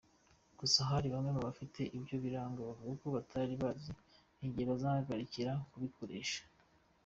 Gusa hari bamwe mu bafite ibyo birango bavuga ko batari bazi igihe bazahagarikira kubikoresha.